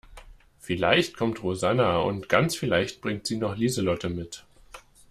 Vielleicht kommt Rosanna und ganz vielleicht bringt sie noch Lieselotte mit.